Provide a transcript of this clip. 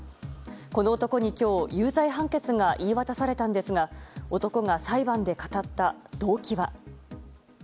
この男に今日、有罪判決が言い渡されたんですが男が裁判で語った動機は。